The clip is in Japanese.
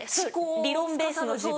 理論ベースの自分。